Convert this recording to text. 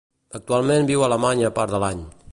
Actualment viu a Alemanya part de l'any.